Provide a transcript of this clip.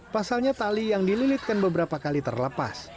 pasalnya tali yang dililitkan beberapa kali terlepas